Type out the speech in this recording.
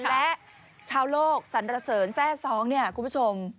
และชาวโลกสันเสริญแทร่ซ้องเนี่ยคุณผู้ชม